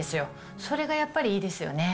それがやっぱりいいですよね。